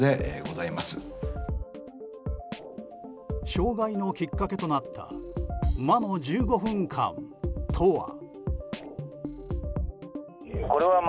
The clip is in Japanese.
障害のきっかけとなった魔の１５分間とは？